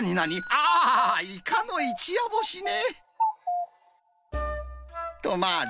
ああ、イカの一夜干しね。